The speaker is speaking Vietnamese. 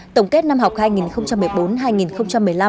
tổng kết năm học hai nghìn một mươi bốn hai nghìn một mươi năm